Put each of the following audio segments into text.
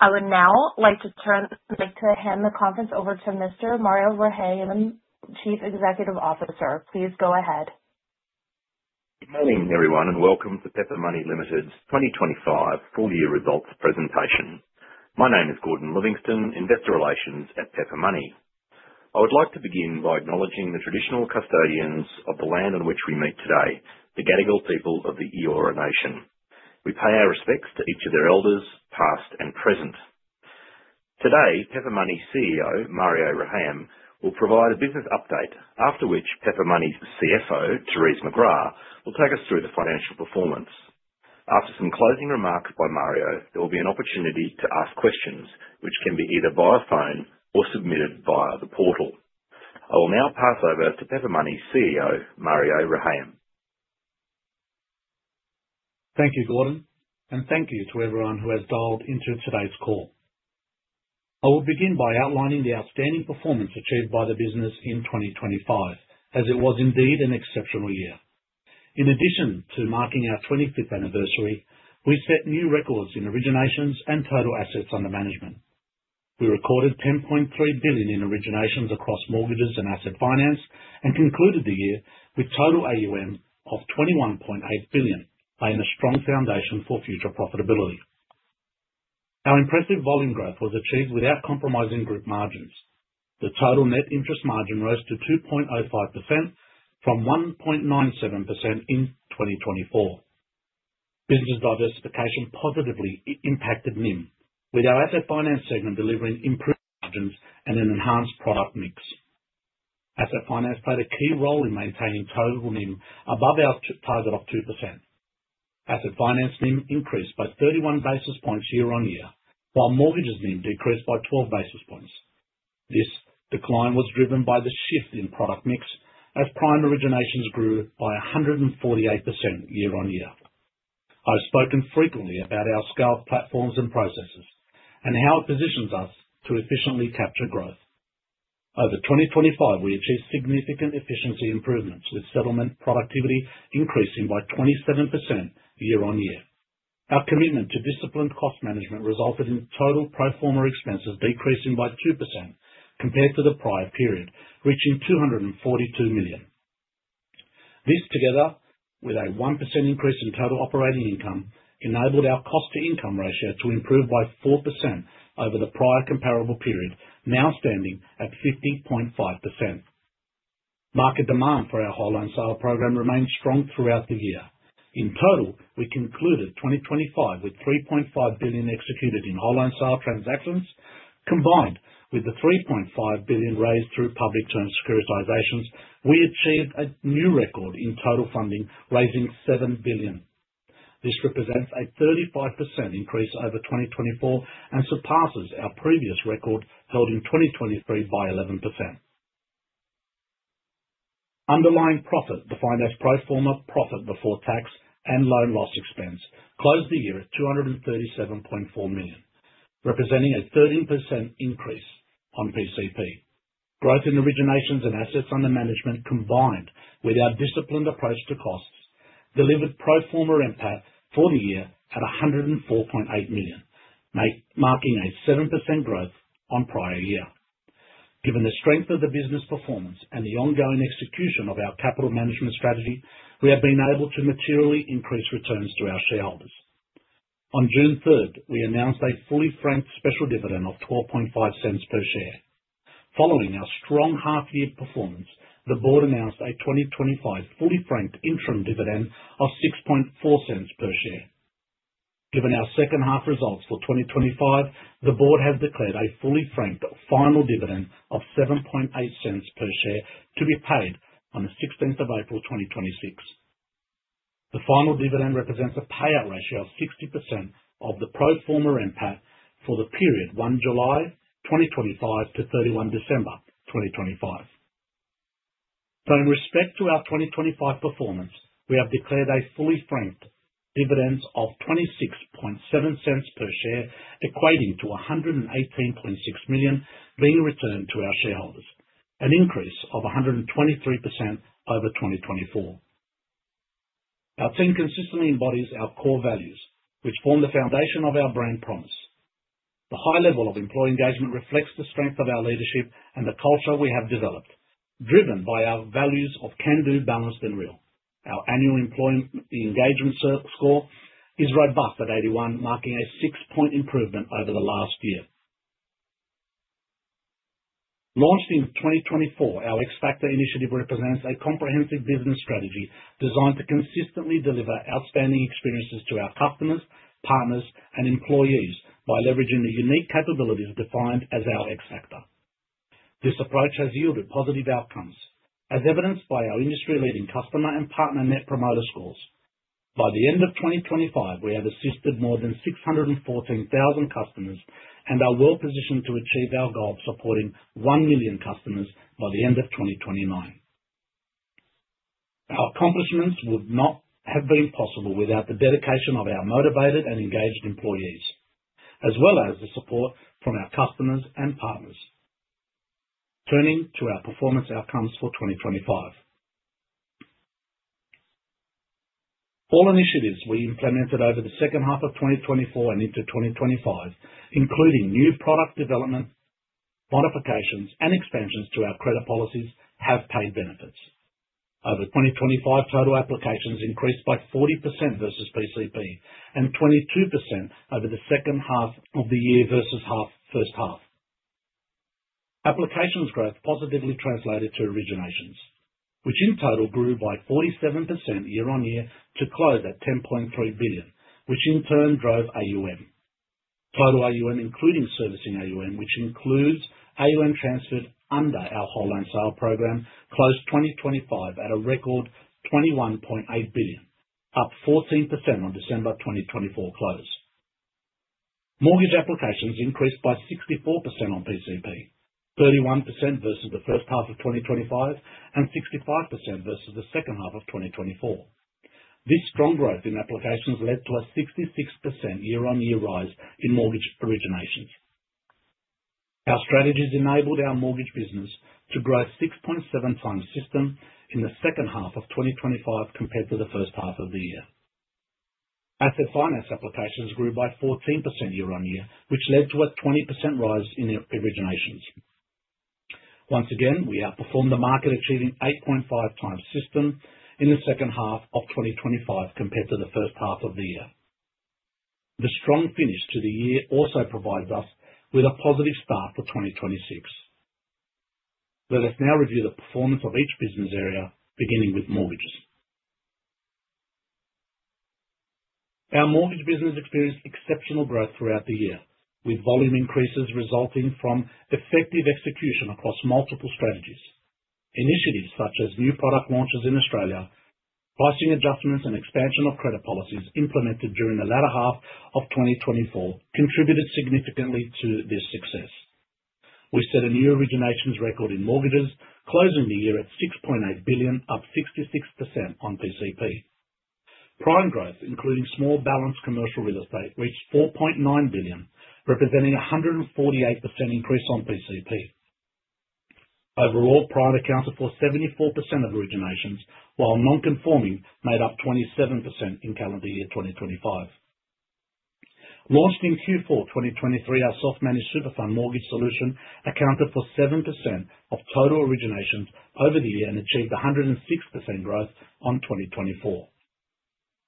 I would now like to turn, like to hand the conference over to Mr. Mario Rehayem, Chief Executive Officer. Please go ahead. Good morning, everyone, and welcome to Pepper Money Limited's 2025 Full Year Results Presentation. My name is Gordon Livingstone, Investor Relations at Pepper Money. I would like to begin by acknowledging the traditional custodians of the land on which we meet today, the Gadigal people of the Eora Nation. We pay our respects to each of their elders, past and present. Today, Pepper Money CEO, Mario Rehayem, will provide a business update, after which Pepper Money's CFO, Therese McGrath, will take us through the financial performance. After some closing remarks by Mario, there will be an opportunity to ask questions, which can be either via phone or submitted via the portal. I will now pass over to Pepper Money CEO, Mario Rehayem. Thank you, Gordon, and thank you to everyone who has dialed into today's call. I will begin by outlining the outstanding performance achieved by the business in 2025, as it was indeed an exceptional year. In addition to marking our 25th anniversary, we set new records in originations and total assets under management. We recorded 10.3 billion in originations across mortgages and asset finance, and concluded the year with total AUM of 21.8 billion, laying a strong foundation for future profitability. Our impressive volume growth was achieved without compromising group margins. The total net interest margin rose to 2.05% from 1.97% in 2024. Business diversification positively impacted NIM, with our asset finance segment delivering improved margins and an enhanced product mix. Asset finance played a key role in maintaining total NIM above our target of 2%. Asset finance NIM increased by 31 basis points year-on-year, while mortgages NIM decreased by 12 basis points. This decline was driven by the shift in product mix as prime originations grew by 148% year-on-year. I've spoken frequently about our scaled platforms and processes, and how it positions us to efficiently capture growth. Over 2025, we achieved significant efficiency improvements, with settlement productivity increasing by 27% year-on-year. Our commitment to disciplined cost management resulted in total pro forma expenses decreasing by 2% compared to the prior period, reaching 242 million. This, together with a 1% increase in total operating income, enabled our cost-to-income ratio to improve by 4% over the prior comparable period, now standing at 50.5%. Market demand for our whole-loan sale program remained strong throughout the year. In total, we concluded 2025 with 3.5 billion executed in whole-loan sale transactions. Combined with the 3.5 billion raised through public term securitizations, we achieved a new record in total funding, raising 7 billion. This represents a 35% increase over 2024, and surpasses our previous record, held in 2023, by 11%. Underlying profit, defined as pro forma profit before tax and loan loss expense, closed the year at 237.4 million, representing a 13% increase on PCP. Growth in originations and assets under management, combined with our disciplined approach to costs, delivered pro forma NPAT for the year at 104.8 million, marking a 7% growth on prior year. Given the strength of the business performance and the ongoing execution of our capital management strategy, we have been able to materially increase returns to our shareholders. On June 3, we announced a fully franked special dividend of 0.125 per share. Following our strong half year performance, the board announced a 2025 fully franked interim dividend of 0.064 per share. Given our H2 results for 2025, the board has declared a fully franked final dividend of 0.078 per share, to be paid on the 16th of April, 2026. The final dividend represents a payout ratio of 60% of the pro forma NPAT for the period 1 July 2025 to 31 December 2025. So in respect to our 2025 performance, we have declared a fully franked dividend of 26.7 cents per share, equating to 118.6 million being returned to our shareholders, an increase of 123% over 2024. Our team consistently embodies our core values, which form the foundation of our brand promise. The high level of employee engagement reflects the strength of our leadership and the culture we have developed, driven by our values of Can Do, Balanced, and Real. Our annual employee engagement score is robust at 81, marking a 6-point improvement over the last year. Launched in 2024, our X-Factor initiative represents a comprehensive business strategy designed to consistently deliver outstanding experiences to our customers, partners, and employees by leveraging the unique capabilities defined as our X-Factor. This approach has yielded positive outcomes, as evidenced by our industry-leading customer and partner net promoter scores. By the end of 2025, we have assisted more than 614,000 customers and are well positioned to achieve our goal of supporting 1 million customers by the end of 2029. Our accomplishments would not have been possible without the dedication of our motivated and engaged employees, as well as the support from our customers and partners. Turning to our performance outcomes for 2025. All initiatives we implemented over the H2 of 2024 and into 2025, including new product development, modifications, and expansions to our credit policies, have paid benefits. Over 2025, total applications increased by 40% versus PCP, and 22% over the H2 of the year versus half, H1. Applications growth positively translated to originations, which in total grew by 47% year-over-year to close at 10.3 billion, which in turn drove AUM. Total AUM, including servicing AUM, which includes AUM transferred under our whole loan sale program, closed 2025 at a record 21.8 billion, up 14% on December 2024 close. Mortgage applications increased by 64% on PCP, 31% versus the H1 of 2025, and 65% versus the H2 of 2024. This strong growth in applications led to a 66% year-over-year rise in mortgage originations. Our strategies enabled our mortgage business to grow 6.7x system in the H2 of 2025 compared to the H1 of the year. Asset finance applications grew by 14% year-over-year, which led to a 20% rise in the originations. Once again, we outperformed the market, achieving 8.5 times system in the H2 of 2025 compared to the H1 of the year. The strong finish to the year also provides us with a positive start for 2026. Let us now review the performance of each business area, beginning with mortgages. Our mortgage business experienced exceptional growth throughout the year, with volume increases resulting from effective execution across multiple strategies. Initiatives such as new product launches in Australia, pricing adjustments, and expansion of credit policies implemented during the latter half of 2024 contributed significantly to this success. We set a new originations record in mortgages, closing the year at 6.8 billion, up 66% on PCP. Prime growth, including small balance commercial real estate, reached 4.9 billion, representing a 148% increase on PCP. Overall, prime accounted for 74% of originations, while non-conforming made up 27% in calendar year 2025. Launched in Q4 2023, our self-managed super fund mortgage solution accounted for 7% of total originations over the year and achieved 106% growth on 2024.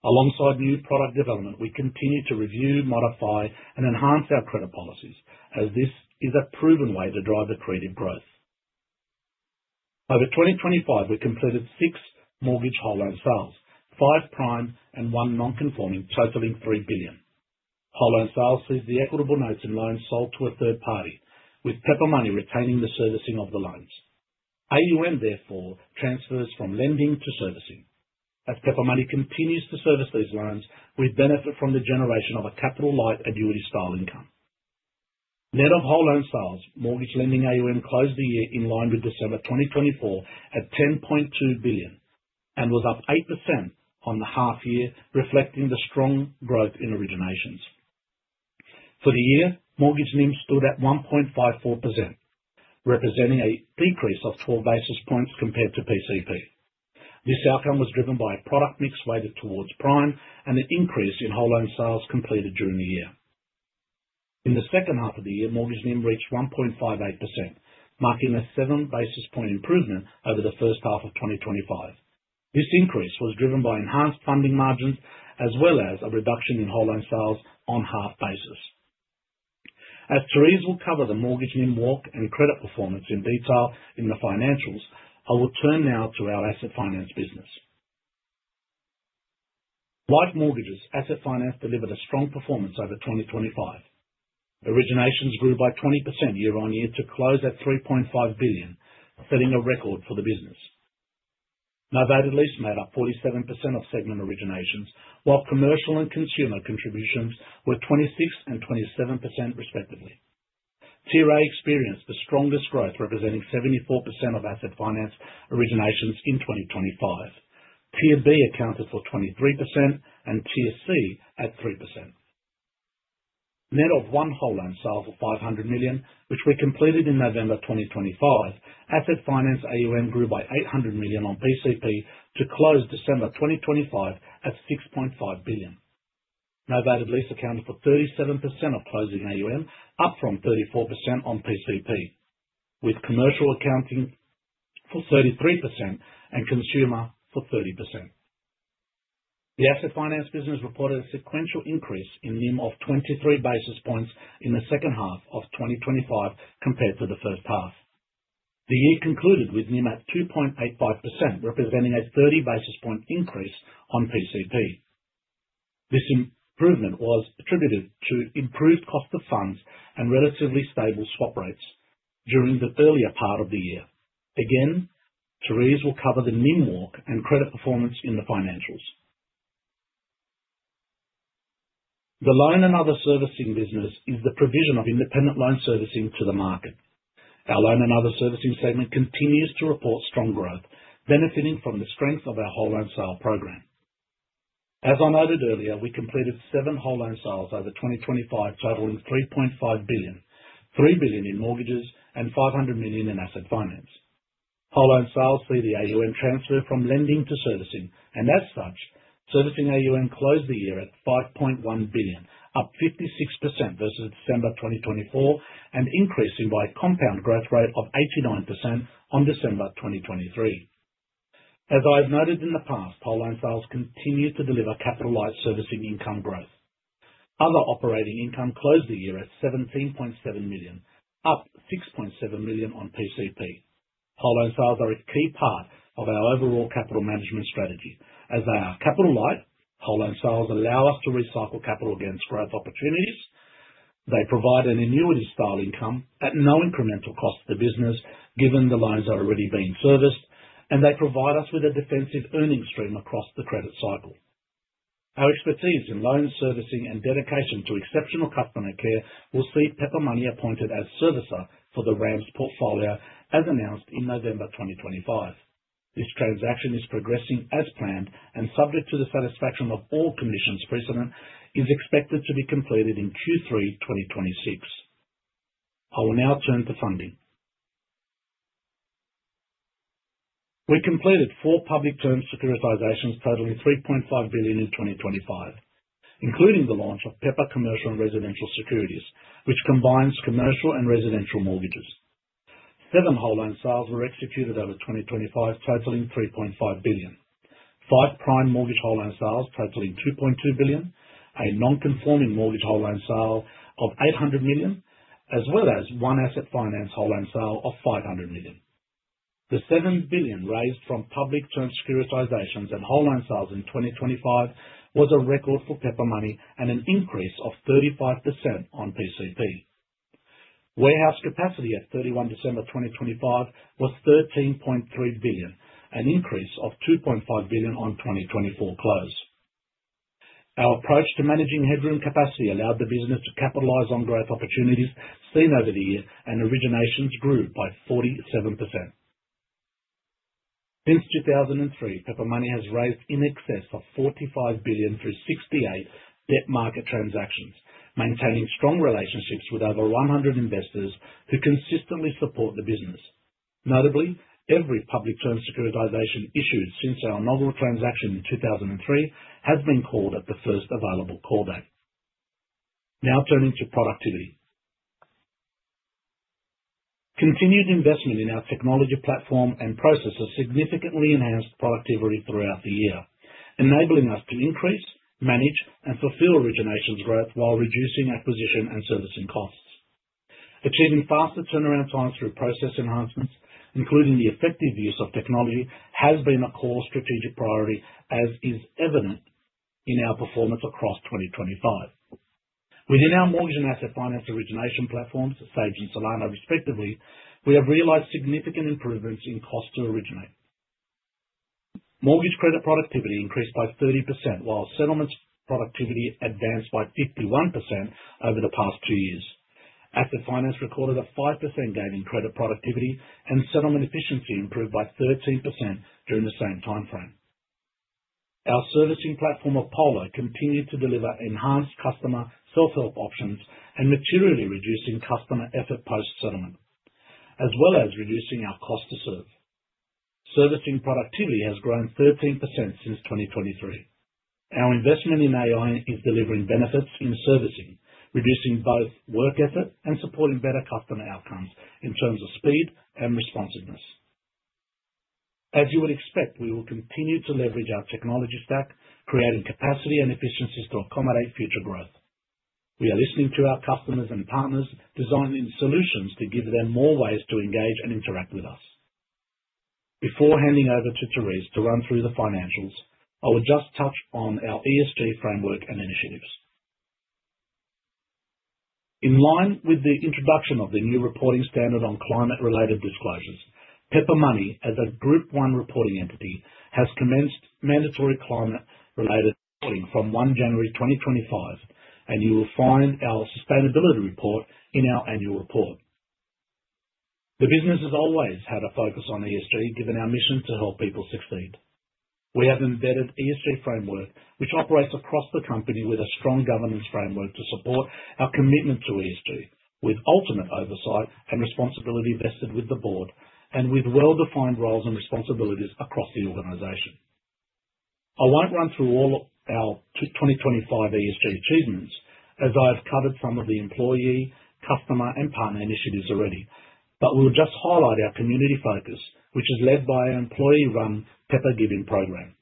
Alongside new product development, we continued to review, modify, and enhance our credit policies, as this is a proven way to drive accretive growth. Over 2025, we completed six mortgage whole loan sales, five prime and one non-conforming, totaling 3 billion. Whole loan sales sees the equitable notes and loans sold to a third party, with Pepper Money retaining the servicing of the loans. AUM therefore transfers from lending to servicing. As Pepper Money continues to service these loans, we benefit from the generation of a capital-light, annuity-style income. Net of whole loan sales, mortgage lending AUM closed the year in line with December 2024, at 10.2 billion, and was up 8% on the half year, reflecting the strong growth in originations. For the year, mortgage NIM stood at 1.54%, representing a decrease of four basis points compared to PCP. This outcome was driven by a product mix weighted towards prime and an increase in whole loan sales completed during the year. In the H2 of the year, mortgage NIM reached 1.58%, marking a seven basis point improvement over the H1 of 2025. This increase was driven by enhanced funding margins as well as a reduction in whole loan sales on half basis. As Therese will cover the mortgage NIM walk and credit performance in detail in the financials, I will turn now to our asset finance business. Like mortgages, asset finance delivered a strong performance over 2025. Originations grew by 20% year-on-year to close at 3.5 billion, setting a record for the business. Novated lease made up 47% of segment originations, while commercial and consumer contributions were 26% and 27% respectively. Tier A experienced the strongest growth, representing 74% of asset finance originations in 2025. Tier B accounted for 23% and Tier C at 3%. Net of one whole loan sale for 500 million, which we completed in November 2025, asset finance AUM grew by 800 million on PCP to close December 2025 at 6.5 billion. Novated lease accounted for 37% of closing AUM, up from 34% on PCP, with commercial accounting for 33% and consumer for 30%. The asset finance business reported a sequential increase in NIM of 23 basis points in the H2 of 2025 compared to the H1. The year concluded with NIM at 2.85%, representing a 30 basis point increase on PCP. This improvement was attributed to improved cost of funds and relatively stable swap rates during the earlier part of the year. Again, Therese will cover the NIM walk and credit performance in the financials. The loan and other servicing business is the provision of independent loan servicing to the market. Our loan and other servicing segment continues to report strong growth, benefiting from the strength of our Whole Loan Sale program. As I noted earlier, we completed 7 whole loan sales over 2025, totaling 3.5 billion: 3 billion in mortgages and 500 million in asset finance. Whole loan sales see the AUM transfer from lending to servicing, and as such, servicing AUM closed the year at 5.1 billion, up 56% versus December 2024, and increasing by compound growth rate of 89% on December 2023. As I've noted in the past, whole loan sales continue to deliver capitalized servicing income growth. Other operating income closed the year at 17.7 million, up 6.7 million on PCP. Whole loan sales are a key part of our overall capital management strategy. As they are capital light, whole loan sales allow us to recycle capital against growth opportunities. They provide an annuity-style income at no incremental cost to the business, given the loans are already being serviced, and they provide us with a defensive earnings stream across the credit cycle. Our expertise in loan servicing and dedication to exceptional customer care will see Pepper Money appointed as servicer for the RAMS portfolio, as announced in November 2025. This transaction is progressing as planned, and subject to the satisfaction of all conditions precedent, is expected to be completed in Q3 2026. I will now turn to funding. We completed 4 public term securitizations totaling 3.5 billion in 2025, including the launch of Pepper Commercial and Residential Securities, which combines commercial and residential mortgages. Seven whole loan sales were executed over 2025, totaling 3.5 billion. Five prime mortgage whole loan sales totaling 2.2 billion, a non-conforming mortgage whole loan sale of 800 million, as well as one asset finance whole loan sale of 500 million. The 7 billion raised from public term securitizations and whole loan sales in 2025 was a record for Pepper Money and an increase of 35% on PCP. Warehouse capacity at 31 December 2025 was AUD 13.3 billion, an increase of AUD 2.5 billion on 2024 close. Our approach to managing headroom capacity allowed the business to capitalize on growth opportunities seen over the year, and originations grew by 47%. Since 2003, Pepper Money has raised in excess of 45 billion through 68 debt market transactions, maintaining strong relationships with over 100 investors who consistently support the business. Notably, every public term securitization issued since our inaugural transaction in 2003 has been called at the first available call back. Now turning to productivity. Continued investment in our technology platform and processes significantly enhanced productivity throughout the year, enabling us to increase, manage, and fulfill originations growth while reducing acquisition and servicing costs. Achieving faster turnaround times through process enhancements, including the effective use of technology, has been a core strategic priority, as is evident in our performance across 2025. Within our mortgage and asset finance origination platforms, Sage and Solano respectively, we have realized significant improvements in cost to originate. Mortgage credit productivity increased by 30%, while settlements productivity advanced by 51% over the past two years. Asset finance recorded a 5% gain in credit productivity, and settlement efficiency improved by 13% during the same timeframe. Our servicing platform of Polo continued to deliver enhanced customer self-help options and materially reducing customer effort post-settlement, as well as reducing our cost to serve. Servicing productivity has grown 13% since 2023. Our investment in AI is delivering benefits in servicing, reducing both work effort and supporting better customer outcomes in terms of speed and responsiveness. As you would expect, we will continue to leverage our technology stack, creating capacity and efficiencies to accommodate future growth. We are listening to our customers and partners, designing solutions to give them more ways to engage and interact with us. Before handing over to Therese to run through the financials, I will just touch on our ESG framework and initiatives. In line with the introduction of the new reporting standard on climate-related disclosures, Pepper Money, as a Group One reporting entity, has commenced mandatory climate-related reporting from 1 January 2025, and you will find our sustainability report in our annual report. The business has always had a focus on ESG, given our mission to help people succeed. We have an embedded ESG framework, which operates across the company with a strong governance framework to support our commitment to ESG, with ultimate oversight and responsibility vested with the board and with well-defined roles and responsibilities across the organization. I won't run through all of our 2025 ESG achievements, as I have covered some of the employee, customer, and partner initiatives already, but will just highlight our community focus, which is led by an employee-run Pepper Giving program.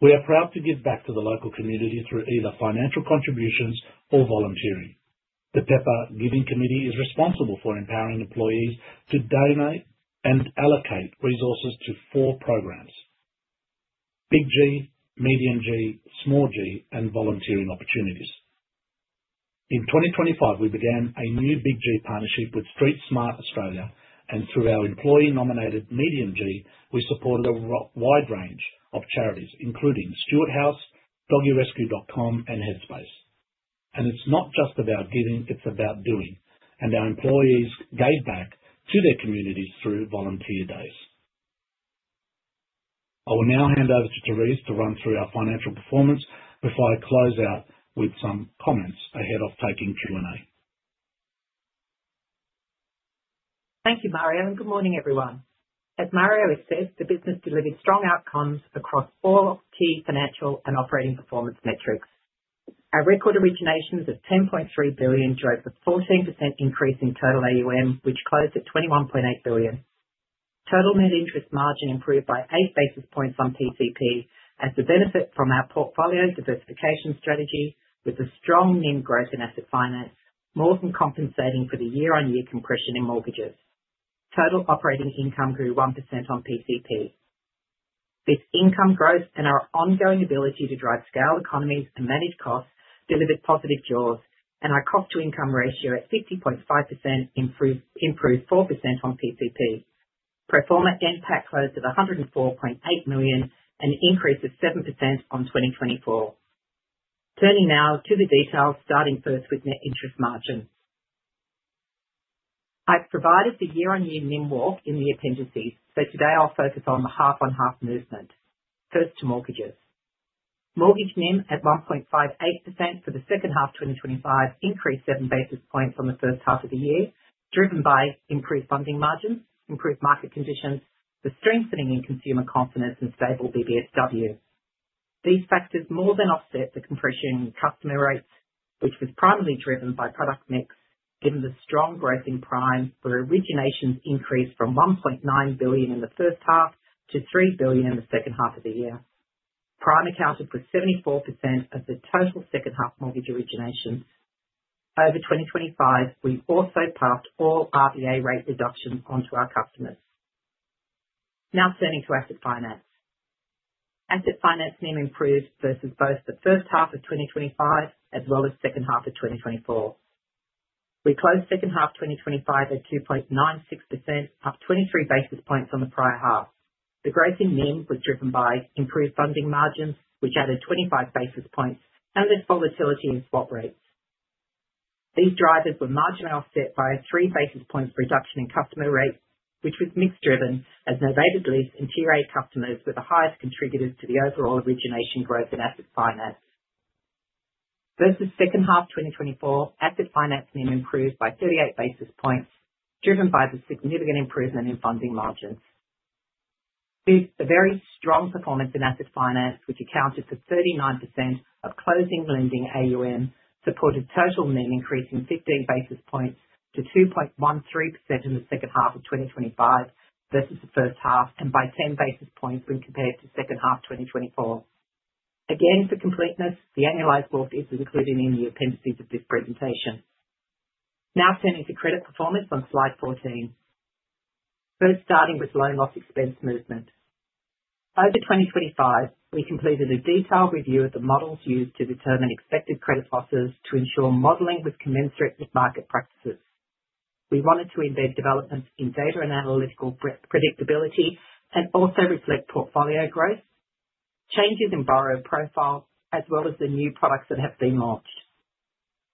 We are proud to give back to the local community through either financial contributions or volunteering. The Pepper Giving committee is responsible for empowering employees to donate and allocate resources to four programs: Big G, Medium G, Small G, and volunteering opportunities. In 2025, we began a new Big G partnership with StreetSmart Australia, and through our employee-nominated Medium G, we supported a wide range of charities, including Stewart House, DoggieRescue.com, and Headspace. And it's not just about giving, it's about doing, and our employees gave back to their communities through volunteer days. I will now hand over to Therese to run through our financial performance before I close out with some comments ahead of taking Q&A. Thank you, Mario, and good morning, everyone. As Mario assessed, the business delivered strong outcomes across all key financial and operating performance metrics. Our record originations of 10.3 billion drove a 14% increase in total AUM, which closed at 21.8 billion. Total net interest margin improved by 8 basis points on PCP as the benefit from our portfolio diversification strategy, with a strong NIM growth in asset finance, more than compensating for the year-on-year compression in mortgages. Total operating income grew 1% on PCP. This income growth and our ongoing ability to drive scale economies and manage costs delivered positive jaws and our cost-to-income ratio at 50.5%, improved 4% on PCP. Proforma NPAT closed at 104.8 million, an increase of 7% on 2024. Turning now to the details, starting first with net interest margin. I've provided the year-on-year NIM walk in the appendices, so today I'll focus on the half-on-half movement. First to mortgages. Mortgage NIM, at 1.58% for the H2 2025, increased seven basis points from the H1 of the year, driven by increased funding margins, improved market conditions, the strengthening in consumer confidence, and stable BBSW. These factors more than offset the compression in customer rates, which was primarily driven by product mix, given the strong growth in Prime, where originations increased from 1.9 billion in the H1 to 3 billion in the H2 of the year. Prime accounted for 74% of the total H2 mortgage originations. Over 2025, we also passed all RBA rate reductions on to our customers. Now turning to asset finance. Asset finance NIM improved versus both the H1 of 2025 as well as H2 of 2024. We closed H2 2025 at 2.96%, up 23 basis points on the prior half. The growth in NIM was driven by improved funding margins, which added 25 basis points, and there's volatility in swap rates. These drivers were marginally offset by a 3 basis point reduction in customer rates, which was mix driven, as novated lease and Tier A customers were the highest contributors to the overall origination growth in asset finance. Versus H2 2024, asset finance NIM improved by 38 basis points, driven by the significant improvement in funding margins. This, a very strong performance in asset finance, which accounted for 39% of closing lending AUM, supported total NIM increase in 15 basis points to 2.13% in the H2 of 2025 versus the H1, and by 10 basis points when compared to H2 2024. Again, for completeness, the annualized walk is included in the appendices of this presentation. Now turning to credit performance on slide 14. First, starting with loan loss expense movement. Over 2025, we completed a detailed review of the models used to determine expected credit losses to ensure modeling was commensurate with market practices. We wanted to embed developments in data and analytical predictability and also reflect portfolio growth, changes in borrower profiles, as well as the new products that have been launched.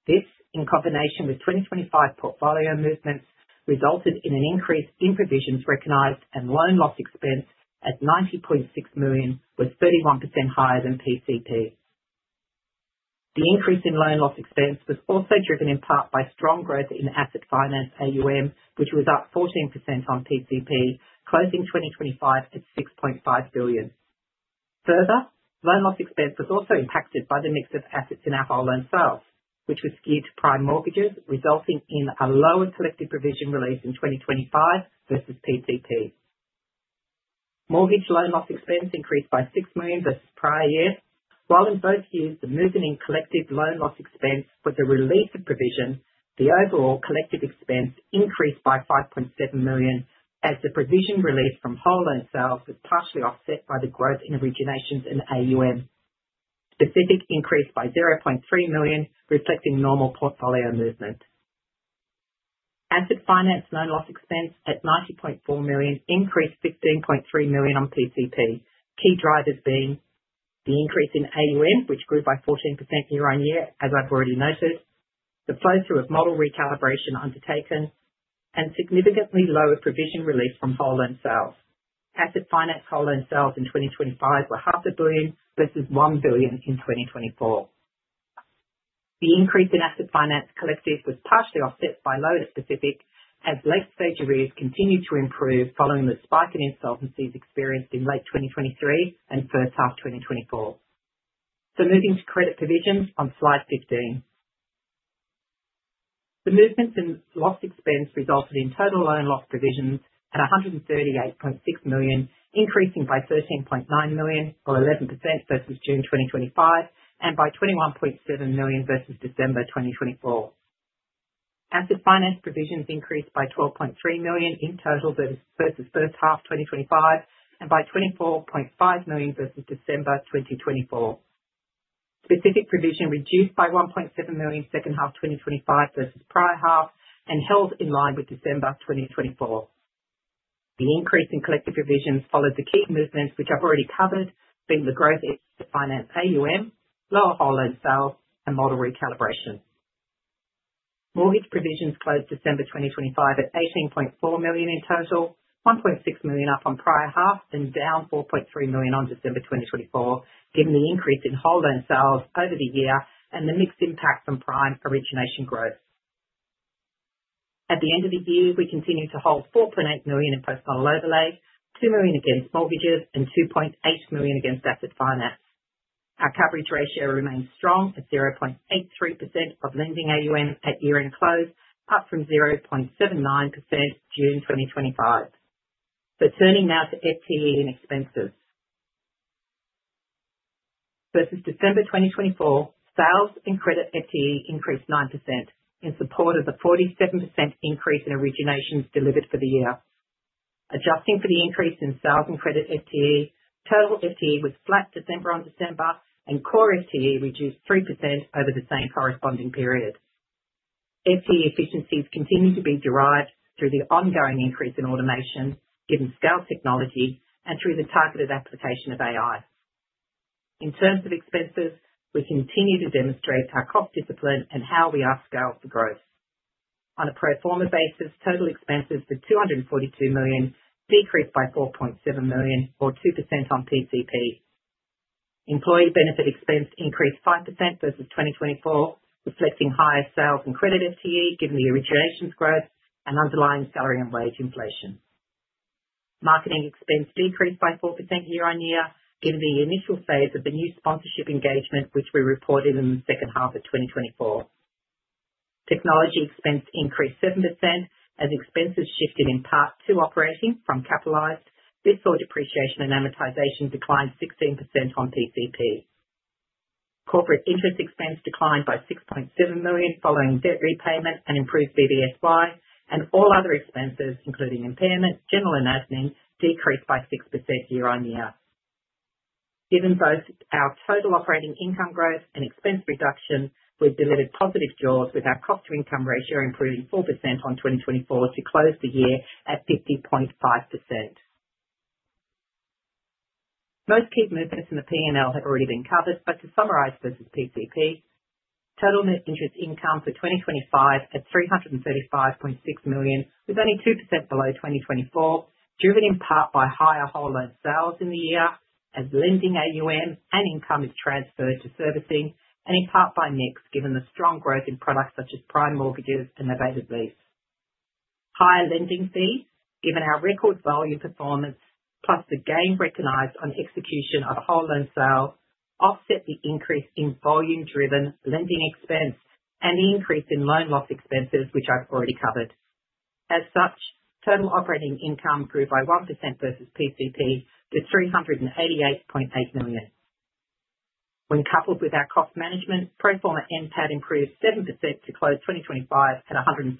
This, in combination with 2025 portfolio movements, resulted in an increase in provisions recognized and loan loss expense at 90.6 million, was 31% higher than PCP. The increase in loan loss expense was also driven in part by strong growth in asset finance AUM, which was up 14% on PCP, closing 2025 at 6.5 billion. Further, loan loss expense was also impacted by the mix of assets in our whole loan sales, which was skewed to prime mortgages, resulting in a lower collective provision release in 2025 versus PCP. Mortgage loan loss expense increased by 6 million versus prior year. While in both years, the movement in collective loan loss expense was a release of provision, the overall collective expense increased by 5.7 million, as the provision release from whole loan sales was partially offset by the growth in originations in AUM. Specific increased by 0.3 million, reflecting normal portfolio movement. Asset finance loan loss expense at 90.4 million increased 16.3 million on PCP. Key drivers being the increase in AUM, which grew by 14% year-on-year, as I've already noted, the flow-through of model recalibration undertaken, and significantly lower provision release from whole loan sales. Asset finance whole loan sales in 2025 were 500 million, versus 1 billion in 2024. The increase in asset finance collective was partially offset by lower specific, as late-stage arrears continued to improve following the spike in insolvencies experienced in late 2023 and H1 2024. So moving to credit provisions on slide 15. The movements in loss expense resulted in total loan loss provisions at 138.6 million, increasing by 13.9 million, or 11% versus June 2025, and by 21.7 million versus December 2024. Asset finance provisions increased by 12.3 million in total versus H1 2025, and by 24.5 million versus December 2024. Specific provision reduced by 1.7 million H2 2025 versus prior half, and held in line with December 2024. The increase in collective provisions followed the key movements, which I've already covered, being the growth in asset finance AUM, lower whole loan sales, and model recalibration. Mortgage provisions closed December 2025 at 18.4 million in total, 1.6 million up on prior half, and down 4.3 million on December 2024, given the increase in whole loan sales over the year and the mixed impact on prime origination growth. At the end of the year, we continued to hold 4.8 million in post file overlays, 2 million against mortgages, and 2.8 million against asset finance. Our coverage ratio remains strong at 0.83% of lending AUM at year-end close, up from 0.79% June 2025. But turning now to FTE and expenses. Versus December 2024, sales and credit FTE increased 9% in support of the 47% increase in originations delivered for the year. Adjusting for the increase in sales and credit FTE, total FTE was flat December-on-December, and core FTE reduced 3% over the same corresponding period. FTE efficiencies continue to be derived through the ongoing increase in automation, given scale technology and through the targeted application of AI. In terms of expenses, we continue to demonstrate our cost discipline and how we are scaled for growth. On a pro forma basis, total expenses of 242 million decreased by 4.7 million, or 2% on PCP. Employee benefit expense increased 5% versus 2024, reflecting higher sales and credit FTE, given the originations growth and underlying salary and wage inflation. Marketing expense decreased by 4% year-on-year, given the initial phase of the new sponsorship engagement, which we reported in the H2 of 2024. Technology expense increased 7% as expenses shifted in part to operating from capitalized. This saw depreciation and amortization decline 16% on PCP. Corporate interest expense declined by 6.7 million, following debt repayment and improved BBSY, and all other expenses, including impairment, general and admin, decreased by 6% year-on-year. Given both our total operating income growth and expense reduction, we've delivered positive jaws with our cost-to-income ratio improving 4% on 2024 to close the year at 50.5%. Most key movements in the P&L have already been covered, but to summarize versus PCP, total net interest income for 2025 at 335.6 million, was only 2% below 2024, driven in part by higher whole loan sales in the year, as lending AUM and income is transferred to servicing, and in part by mix, given the strong growth in products such as prime mortgages and novated lease. Higher lending fees, given our record volume performance, plus the gain recognized on execution of whole loan sales, offset the increase in volume-driven lending expense and the increase in loan loss expenses, which I've already covered. As such, total operating income grew by 1% versus PCP to 388.8 million. When coupled with our cost management, pro forma NPAT improved 7% to close 2025 at 104.8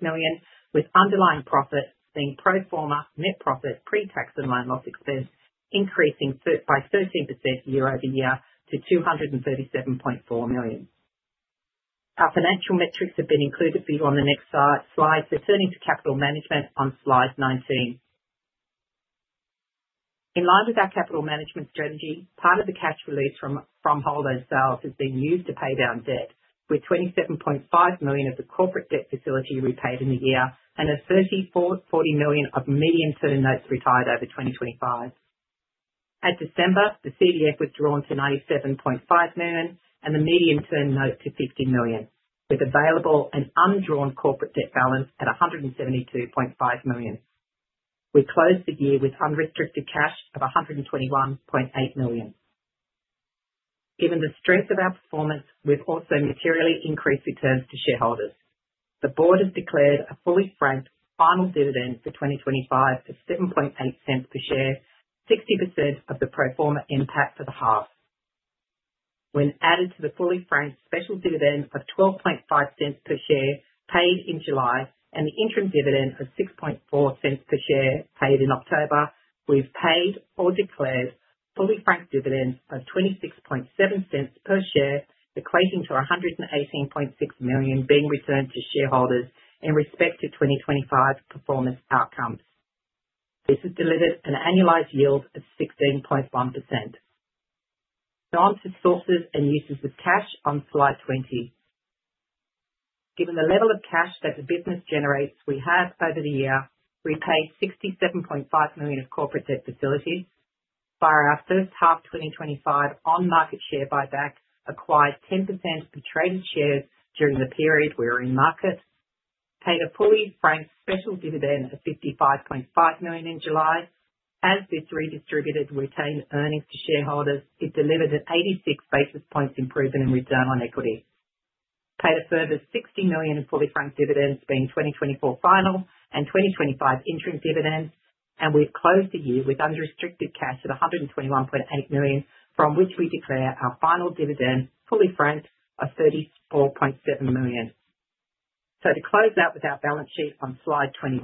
million, with underlying profit being pro forma net profit pre-tax and loan loss expense increasing by 13% year-over-year to 237.4 million. Our financial metrics have been included for you on the next slide. Turning to capital management on slide 19. In line with our capital management strategy, part of the cash release from whole loan sales has been used to pay down debt, with 27.5 million of the corporate debt facility repaid in the year, and 34 million of medium-term notes retired over 2025. At December, the CDF was drawn to 97.5 million, and the medium-term note to 50 million, with available and undrawn corporate debt balance at 172.5 million. We closed the year with unrestricted cash of 121.8 million. Given the strength of our performance, we've also materially increased returns to shareholders. The board has declared a fully franked final dividend for 2025 to 0.078 per share, 60% of the pro forma NPAT for the half. When added to the fully franked special dividend of 0.125 per share paid in July, and the interim dividend of 0.064 per share paid in October, we've paid or declared fully franked dividends of 0.267 per share, equating to 118.6 million being returned to shareholders in respect to 2025 performance outcomes. This has delivered an annualized yield of 16.1%. Now, on to sources and uses of cash on slide 20. Given the level of cash that the business generates, we have, over the year, repaid 67.5 million of corporate debt facilities, via our H1 2025 on market share buyback, acquired 10% of the traded shares during the period we were in market, paid a fully franked special dividend of 55.5 million in July. As this redistributed retained earnings to shareholders, it delivered an 86 basis points improvement in return on equity, paid a further 60 million in fully franked dividends between 2024 final and 2025 interim dividends, and we've closed the year with unrestricted cash of AUD 121.8 million, from which we declare our final dividend, fully franked, of AUD 34.7 million. So to close out with our balance sheet on slide 21,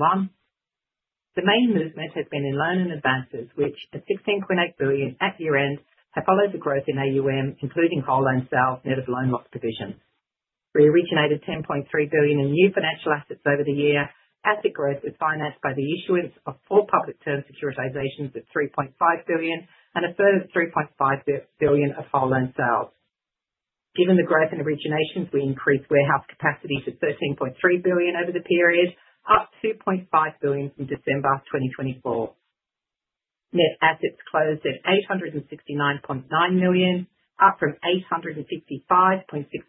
the main movement has been in loans and advances, which at AUD 16.8 billion at year-end, have followed the growth in AUM, including whole loan sales net of loan loss provisions. We originated 10.3 billion in new financial assets over the year. Asset growth was financed by the issuance of four public term securitizations of 3.5 billion and a further 3.5 billion of whole loan sales. Given the growth in originations, we increased warehouse capacity to 13.3 billion over the period, up 2.5 billion from December 2024. Net assets closed at 869.9 million, up from 855.6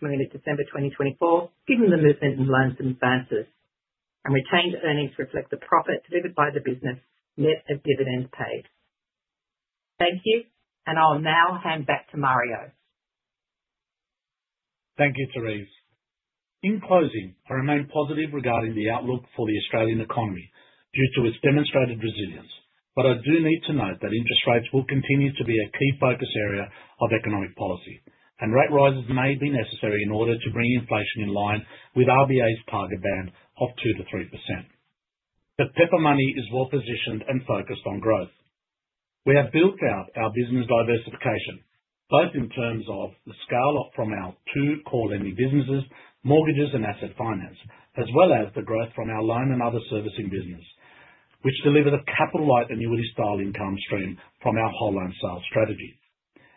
million in December 2024, given the movement in loans and advances. And retained earnings reflect the profit delivered by the business, net of dividends paid. Thank you, and I'll now hand back to Mario. Thank you, Therese. In closing, I remain positive regarding the outlook for the Australian economy due to its demonstrated resilience, but I do need to note that interest rates will continue to be a key focus area of economic policy, and rate rises may be necessary in order to bring inflation in line with RBA's target band of 2%-3%. But Pepper Money is well positioned and focused on growth. We have built out our business diversification, both in terms of the scale up from our two core lending businesses, mortgages and asset finance, as well as the growth from our loan and other servicing business, which delivered a capitalized annuity-style income stream from our whole loan sales strategy.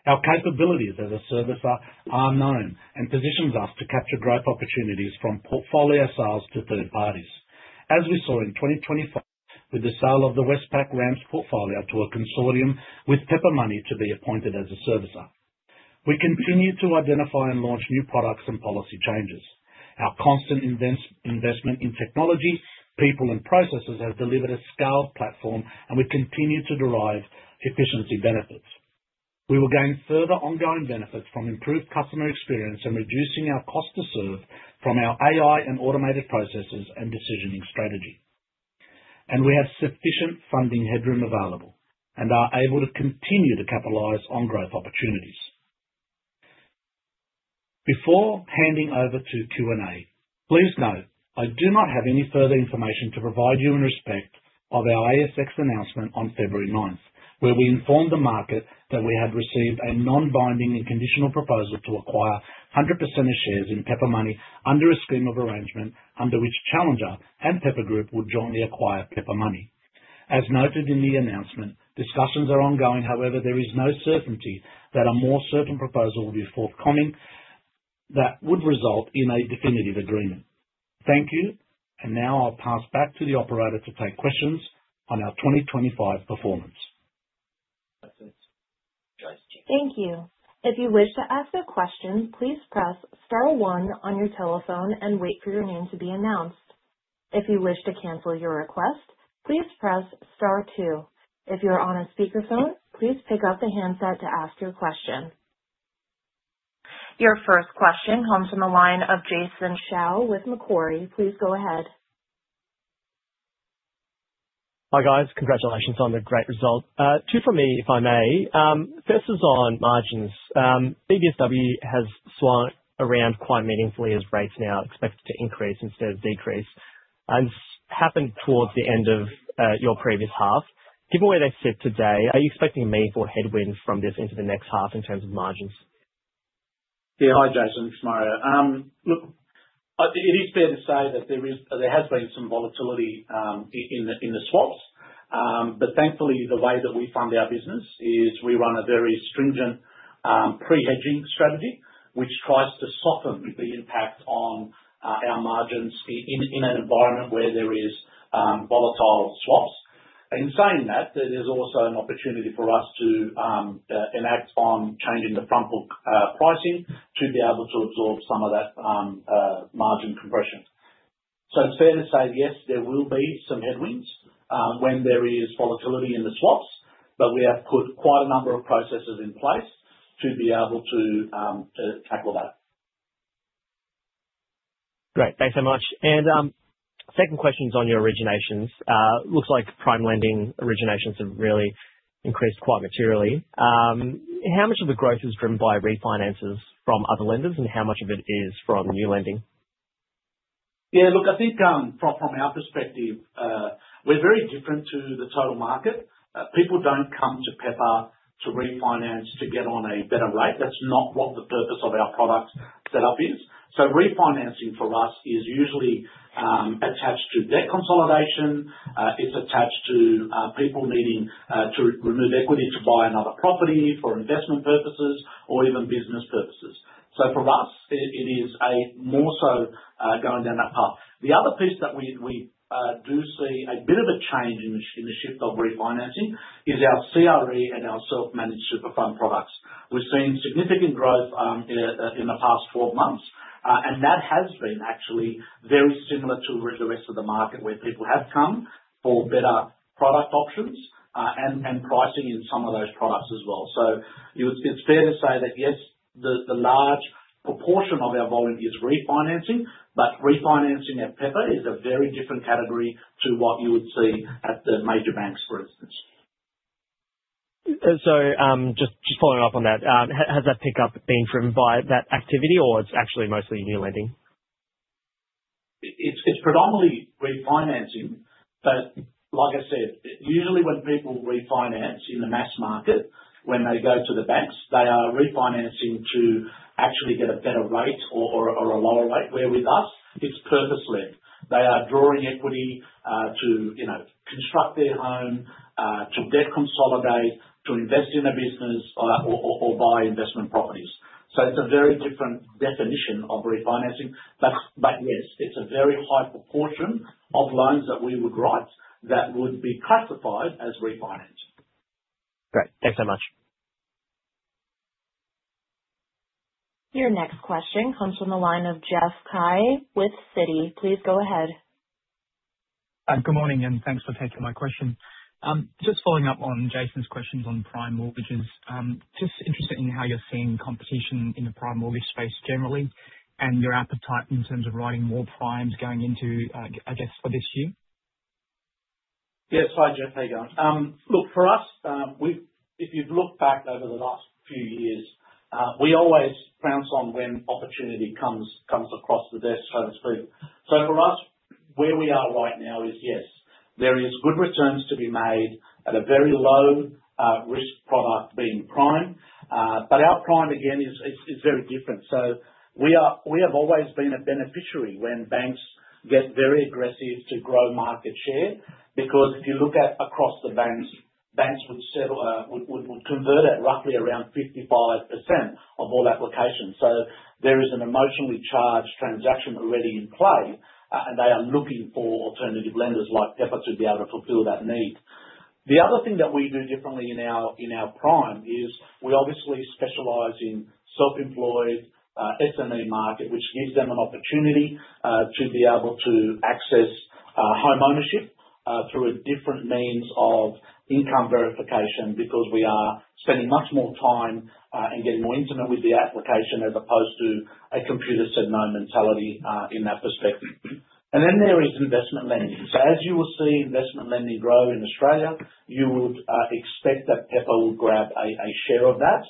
Our capabilities as a servicer are known and positions us to capture growth opportunities from portfolio sales to third parties, as we saw in 2024 with the sale of the Westpac RAMS portfolio to a consortium with Pepper Money to be appointed as a servicer. We continue to identify and launch new products and policy changes. Our constant investment in technology, people, and processes have delivered a scaled platform, and we continue to derive efficiency benefits. We will gain further ongoing benefits from improved customer experience and reducing our cost to serve from our AI and automated processes and decisioning strategy. We have sufficient funding headroom available and are able to continue to capitalize on growth opportunities. Before handing over to Q&A, please note, I do not have any further information to provide you in respect of our ASX announcement on February ninth, where we informed the market that we had received a non-binding and conditional proposal to acquire 100% of shares in Pepper Money under a scheme of arrangement under which Challenger and Pepper Group would jointly acquire Pepper Money. As noted in the announcement, discussions are ongoing; however, there is no certainty that a more certain proposal will be forthcoming that would result in a definitive agreement. Thank you, and now I'll pass back to the operator to take questions on our 2025 performance. Thank you. If you wish to ask a question, please press star one on your telephone and wait for your name to be announced. If you wish to cancel your request, please press star two. If you're on a speakerphone, please pick up the handset to ask your question. Your first question comes from the line of Jason Shao with Macquarie. Please go ahead. Hi, guys. Congratulations on the great result. Two from me, if I may. First is on margins. BBSW has swung around quite meaningfully as rates now are expected to increase instead of decrease, and happened towards the end of your previous half. Given where they sit today, are you expecting a meaningful headwind from this into the next half in terms of margins? Yeah. Hi, Jason, it's Mario. Look, it is fair to say that there has been some volatility in the swaps. But thankfully, the way that we fund our business is we run a very stringent pre-hedging strategy, which tries to soften the impact on our margins in an environment where there is volatile swaps. In saying that, there is also an opportunity for us to enact on changing the front book pricing to be able to absorb some of that margin compression. So it's fair to say, yes, there will be some headwinds when there is volatility in the swaps, but we have put quite a number of processes in place to be able to tackle that. Great. Thanks so much. Second question's on your originations. Looks like prime lending originations have really increased quite materially. How much of the growth is driven by refinances from other lenders, and how much of it is from new lending? Yeah, look, I think, from our perspective, we're very different to the total market. People don't come to Pepper to refinance to get on a better rate. That's not what the purpose of our product setup is. So refinancing for us is usually attached to debt consolidation. It's attached to people needing to remove equity to buy another property for investment purposes or even business purposes. So for us, it is a more so going down that path. The other piece that we do see a bit of a change in the shift of refinancing is our CRE and our Self-Managed Super Fund products. We've seen significant growth in the past four months, and that has been actually very similar to the rest of the market, where people have come for better product options and pricing in some of those products as well. So you would... It's fair to say that, yes, the large proportion of our volume is refinancing, but refinancing at Pepper is a very different category to what you would see at the major banks, for instance. So, just following up on that, has that pickup been driven by that activity, or it's actually mostly new lending? It's predominantly refinancing, but like I said, usually when people refinance in the mass market, when they go to the banks, they are refinancing to actually get a better rate or a lower rate, where with us, it's purpose-led. They are drawing equity to you know, construct their home, to debt consolidate, to invest in their business, or buy investment properties. So it's a very different definition of refinancing, but yes, it's a very high proportion of loans that we would write that would be classified as refinance. Great. Thanks so much. Your next question comes from the line of Jeff Cai with Citi. Please go ahead. Good morning, and thanks for taking my question. Just following up on Jason's questions on prime mortgages. Just interested in how you're seeing competition in the prime mortgage space generally and your appetite in terms of writing more primes going into, I guess, for this year. Yes. Hi, Jeff. How you going? Look, for us, we've-- if you've looked back over the last few years, we always pounce on when opportunity comes, comes across the desk, so to speak. For us, where we are right now is, yes, there is good returns to be made at a very low risk product being prime. Our prime, again, is, is, is very different. We have always been a beneficiary when banks get very aggressive to grow market share, because if you look at across the banks, banks would settle, would, would, would convert at roughly around 55% of all applications. There is an emotionally charged transaction already in play, and they are looking for alternative lenders like Pepper to be able to fulfill that need. The other thing that we do differently in our prime is we obviously specialize in self-employed SME market, which gives them an opportunity to be able to access homeownership through a different means of income verification, because we are spending much more time and getting more intimate with the application as opposed to a computer said no mentality in that perspective. And then there is investment lending. So as you will see investment lending grow in Australia, you would expect that Pepper will grab a share of that.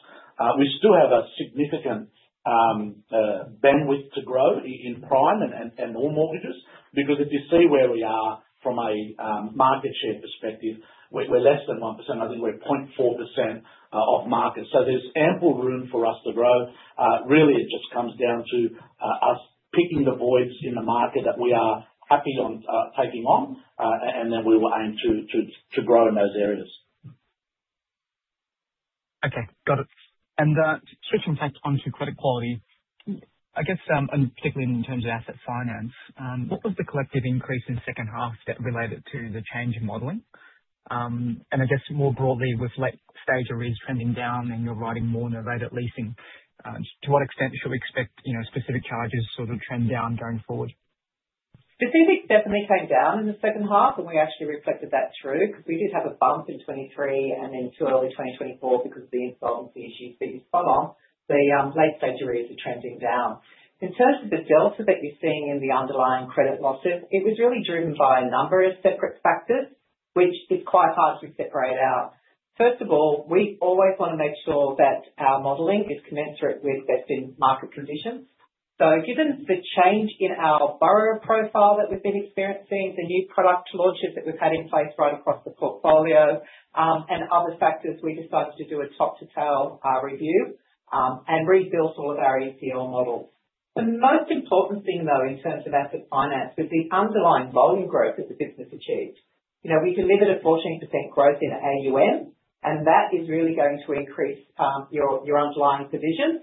We still have a significant bandwidth to grow in prime and more mortgages, because if you see where we are from a market share perspective, we're less than 1%. I think we're 0.4% of market. So there's ample room for us to grow. Really, it just comes down to us picking the voids in the market that we are happy on taking on, and then we will aim to grow in those areas. Okay, got it. And, switching back onto credit quality, I guess, and particularly in terms of asset finance, what was the collective increase in H2 that related to the change in modeling? And I guess more broadly, with late stage arrears trending down and you're writing more novated leasing, to what extent should we expect, you know, specific charges to sort of trend down going forward? Specifics definitely came down in the H2, and we actually reflected that through, because we did have a bump in 2023 and into early 2024 because of the insolvency issues. But you follow, the late stage arrears are trending down. In terms of the delta that you're seeing in the underlying credit losses, it was really driven by a number of separate factors, which is quite hard to separate out. First of all, we always want to make sure that our modeling is commensurate with existing market conditions. So given the change in our borrower profile that we've been experiencing, the new product launches that we've had in place right across the portfolio, and other factors, we decided to do a top-to-tail review and rebuild all of our ACL models. The most important thing, though, in terms of asset finance, was the underlying volume growth that the business achieved. You know, we delivered a 14% growth in AUM, and that is really going to increase your underlying provisions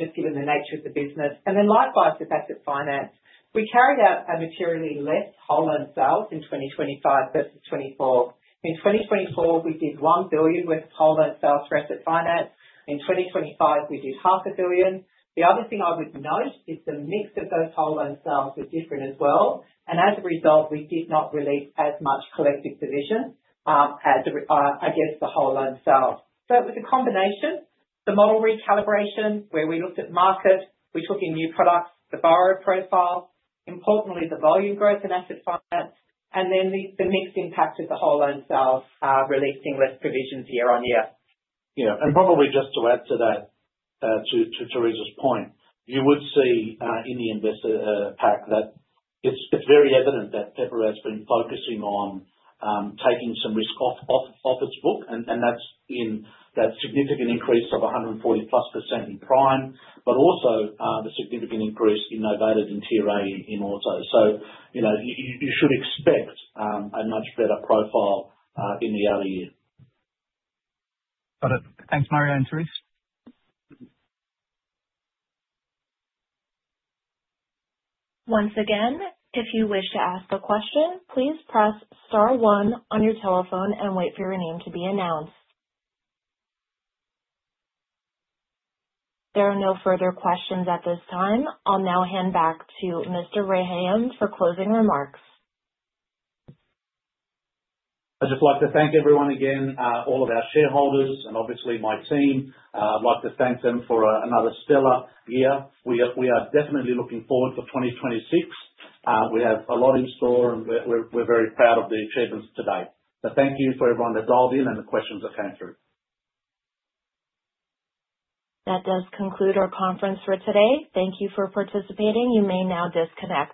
just given the nature of the business. And then likewise, the fact that finance. We carried out a materially less whole loan sales in 2025 versus 2024. In 2024, we did 1 billion with whole loan sales for asset finance. In 2025, we did 500 million. The other thing I would note is the mix of those whole loan sales was different as well, and as a result, we did not release as much collective provision as the, I guess, the whole loan sale. So it was a combination. The model recalibration, where we looked at market, we took in new products, the borrower profile, importantly, the volume growth in asset finance, and then the mixed impact of the Whole Loan Sale, releasing less provisions year-over-year. Yeah, and probably just to add to that, to Therese's point, you would see in the investor pack that it's very evident that Pepper has been focusing on taking some risk off its book, and that's in that significant increase of 140+% in prime, but also the significant increase in novated and TRA in auto. So, you know, you should expect a much better profile in the other year. Got it. Thanks, Mario and Therese. Once again, if you wish to ask a question, please press star one on your telephone and wait for your name to be announced. There are no further questions at this time. I'll now hand back to Mr. Rehayem for closing remarks. I'd just like to thank everyone again, all of our shareholders, and obviously my team. I'd like to thank them for another stellar year. We are, we are definitely looking forward for 2026. We have a lot in store, and we're, we're, we're very proud of the achievements today. So thank you for everyone that dialed in and the questions that came through. That does conclude our conference for today. Thank you for participating. You may now disconnect.